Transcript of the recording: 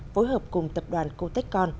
phối hợp cùng tập đoàn công an